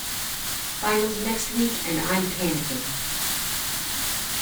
Finals are next week and I'm panicking.